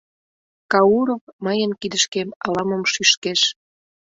Кауров мыйын кидышкем ала-мом шӱшкеш.